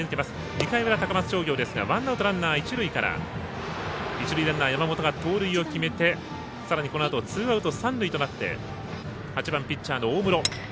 ２回裏は高松商業は一塁ランナー、山本が盗塁を決めてさらにこのあとツーアウト、三塁となって８番ピッチャーの大室。